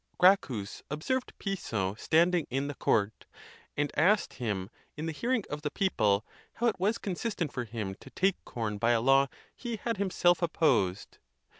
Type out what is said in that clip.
Gracchus observed Piso standing in the court, and asked him, in the hearing of the people, how it was consistent for him to take corn by a law he had himself opposed.